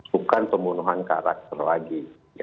bukan pembunuhan karakter lagi